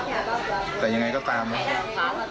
ถึงเหตุที่ไม่ปลอดภัยมันก็ต้องติดตามหากลอมกันอยู่นะ